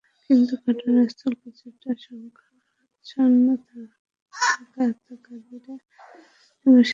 কিন্তু ঘটনাস্থল কিছুটা অন্ধকারাচ্ছন্ন থাকায় হত্যাকারীরা চেয়ারে বসে থাকা সবাইকে গুলি করে।